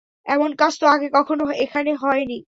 এমন কাজ তো আগে কখনো এখানে হয়নি।